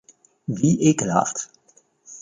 Wie ekelhaft.